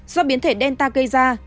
do biến thể delta gây ra